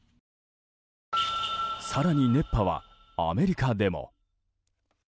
更に、熱波はアメリカでも。